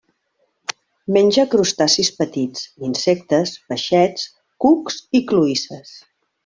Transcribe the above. Menja crustacis petits, insectes, peixets, cucs i cloïsses.